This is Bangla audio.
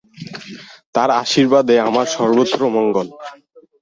তাঁর আশীর্বাদে আমার সর্বত্র মঙ্গল।